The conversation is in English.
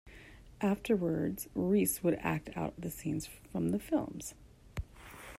Afterwards, Reese would act out the scenes from the films.